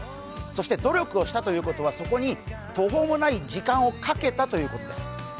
そして、努力をしたということはそこに途方もない時間をかけたということです。